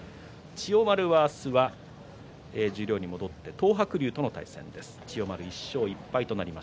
千代丸は明日は十両に戻って東白龍との対戦です。